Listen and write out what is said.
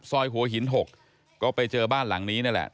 หัวหิน๖ก็ไปเจอบ้านหลังนี้นั่นแหละ